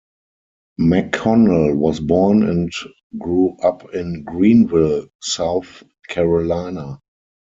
McConnell was born and grew up in Greenville, South Carolina.